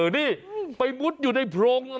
แบบนี้คือแบบนี้คือแบบนี้คือ